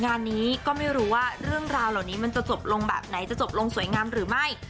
งานนี้ก็ไม่รู้ว่าเรื่องราวเหล่านี้มันจะจบลงแบบไหนจะจบลงสวยงามหรือไม่